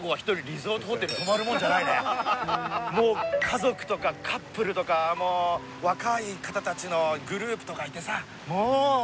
もう家族とかカップルとかもう若い方たちのグループとかいてさ。